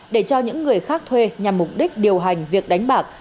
để cho những người khác thuê nhằm mục đích điều hành việc đánh bạc